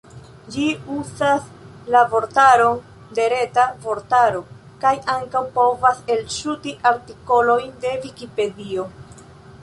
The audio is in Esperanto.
Ĝi uzas la vortaron de Reta Vortaro, kaj ankaŭ povas elŝuti artikolojn de Vikipedio.